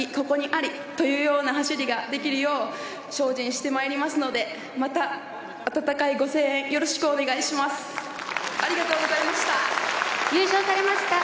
ここにありというような走りができるよう精進してまいりますのでまた、温かいご声援よろしくお願いします。